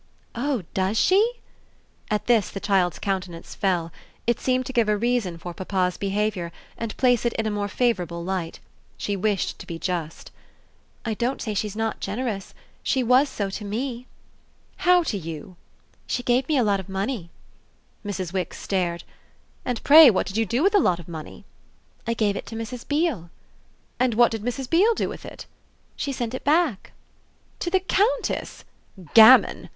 "Oh DOES she?" At this the child's countenance fell: it seemed to give a reason for papa's behaviour and place it in a more favourable light. She wished to be just. "I don't say she's not generous. She was so to me." "How, to you?" "She gave me a lot of money." Mrs. Wix stared. "And pray what did you do with a lot of money?" "I gave it to Mrs. Beale." "And what did Mrs. Beale do with it?" "She sent it back." "To the Countess? Gammon!"